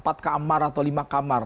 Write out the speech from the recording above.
empat kamar atau lima kamar